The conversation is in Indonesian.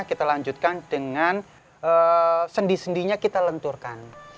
kita lanjutkan dengan sendi sendinya kita lenturkan